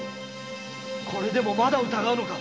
これでもまだ疑うのか？